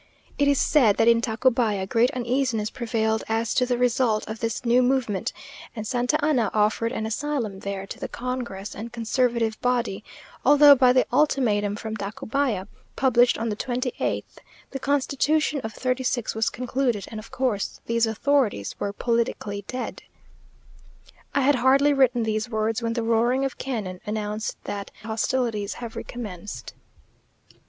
It is said that in Tacubaya great uneasiness prevailed as to the result of this new movement, and Santa Anna offered an asylum there to the congress and conservative body, although, by the ultimatum from Tacubaya, published on the twenty eighth, the constitution of '36 was concluded, and of course these authorities were politically dead. I had hardly written these words when the roaring of cannon announced that hostilities have recommenced.